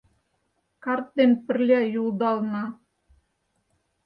Карт ден пырля йӱлдалына.